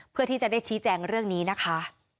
เพื่อที่จะได้ชี้แจงเรื่องนี้นะคะ